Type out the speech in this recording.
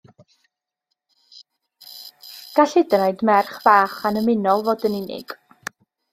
Gall hyd yn oed merch fach annymunol fod yn unig.